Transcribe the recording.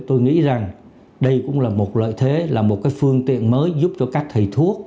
tôi nghĩ rằng đây cũng là một lợi thế là một cái phương tiện mới giúp cho các thầy thuốc